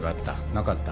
なかった？